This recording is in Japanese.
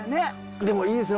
でもいいですね。